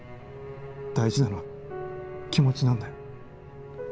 大事なのは気持ちなんだよ。